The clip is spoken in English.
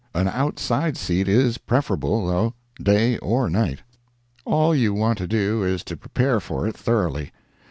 An outside seat is preferable, though, day or night. All you want to do is to prepare for it thoroughly.